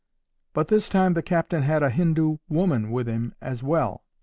But this time the captain had a Hindoo woman with him as well.